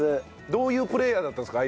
どういうプレーヤーだったんですか？